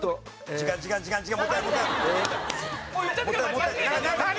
時間時間時間時間。